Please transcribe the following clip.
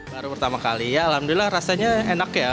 baru pertama kali ya alhamdulillah rasanya enak ya